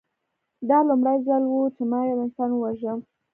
دا لومړی ځل و چې ما یو انسان وواژه